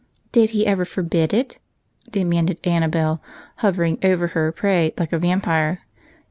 " Did he ever forbid it ?" demanded Annabel hov ering over her prey like a vampire.